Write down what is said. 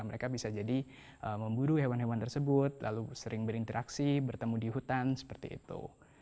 mereka bisa jadi memburu hewan hewan tersebut lalu sering berinteraksi bertemu di hutan seperti itu